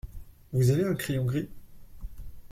Vous avez un crayon gris ?